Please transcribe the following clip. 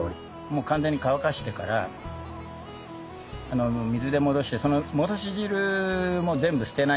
もう完全に乾かしてから水で戻してその戻し汁も全部捨てないで使うんですけどね